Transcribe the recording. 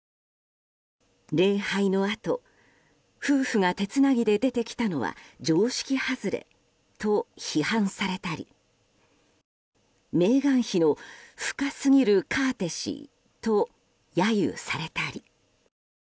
礼拝のあと夫婦が手つなぎで出てきたのは常識外れと批判されたりメーガン妃の、深すぎるカーテシーと揶揄されたり。